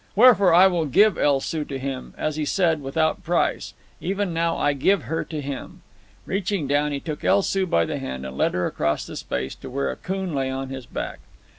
Wherefore I will give El Soo to him, as he said, without price. Even now will I give her to him." Reaching down, he took El Soo by the hand and led her across the space to where Akoon lay on his back.